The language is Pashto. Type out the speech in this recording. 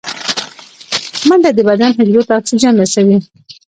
منډه د بدن حجرو ته اکسیجن رسوي